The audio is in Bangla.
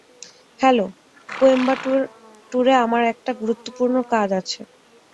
হ্যালো, কোয়েম্বাটুরে আমার একটা গুরুত্বপূর্ণ কাজ আছে।